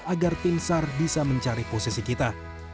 agar tim sar bisa mencari posisi kita